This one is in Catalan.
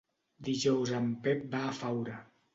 Dijous en Pep va a Faura.